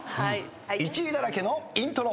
１位だらけのイントロ。